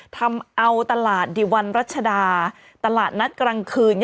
ทำเอาตลาดดิวันรัชดาตลาดนัดกลางคืน